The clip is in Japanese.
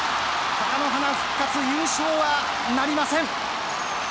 貴乃花、復活優勝はなりません。